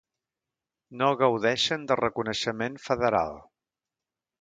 No gaudeixen de reconeixement federal.